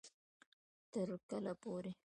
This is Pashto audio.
تر کله پورې